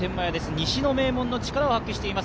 西の名門の力を発揮しています。